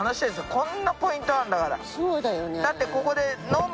こんなポイントあんだから。